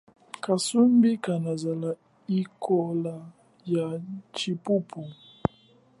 Kasumbi kanazela ikola ya chipupu.